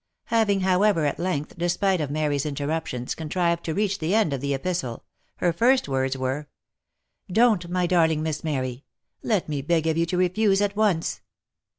Having, however, at length, despite of Mary's interruptions, con trived to reach the end of the epistle, her first words were —" Don't, my darling Miss Mary !— Let me beg of you to refuse at once.